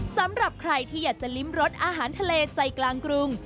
สำหรับใครที่อยากจะลิ้มรสอาหารทะเลใจกลางกรุง